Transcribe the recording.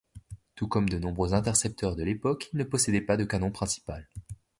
Tout comme de nombreux intercepteurs de l'époque, il ne possédait pas de canon principal.